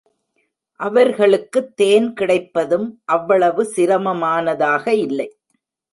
அவர்களுக்குத் தேன் கிடைப்பதும் அவ்வளவு சிரமமானதாக இல்லை.